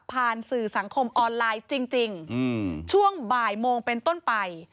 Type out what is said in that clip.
ผ่านสื่อสังคมออนไลน์จริงช่วงบ่ายโมงเป็นต้นไป